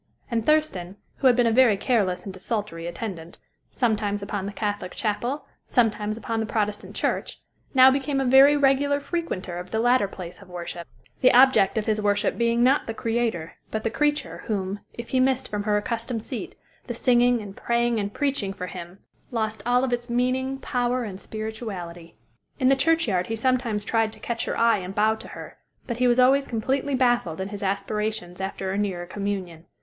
And Thurston, who had been a very careless and desultory attendant, sometimes upon the Catholic chapel, sometimes upon the Protestant church, now became a very regular frequenter of the latter place of worship; the object of his worship being not the Creator, but the creature, whom, if he missed from her accustomed seat, the singing, and praying, and preaching for him lost all of its meaning, power and spirituality. In the churchyard he sometimes tried to catch her eye and bow to her; but he was always completely baffled in his aspirations after a nearer communion.